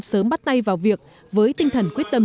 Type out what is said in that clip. sớm bắt tay vào việc với tinh thần quyết tâm